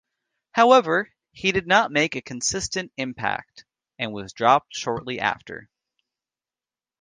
However he did not make a consistent impact and was dropped shortly after.